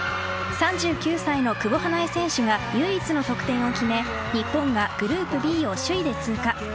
３９歳の久保英恵選手が、唯一の得点を決め、日本がグループＢを首位で通過。